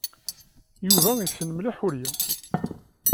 Yuba yessen mliḥ Ḥuriya.